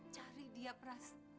cari dia pras